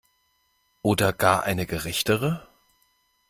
Oder gar eine gerechtere?